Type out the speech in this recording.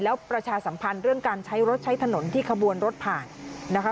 แล้วประชาสัมพันธ์เรื่องการใช้รถใช้ถนนที่ขบวนรถผ่านนะคะ